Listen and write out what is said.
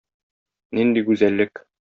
Нинди гүзәллек!